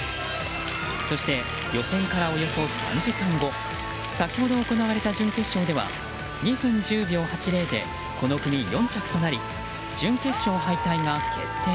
そして、予選からおよそ３時間後先ほど行われた準決勝では２分１０秒８０でこの組４着となり準決勝敗退が決定。